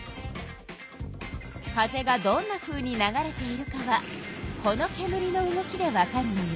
風がどんなふうに流れているかはこのけむりの動きでわかるのよ。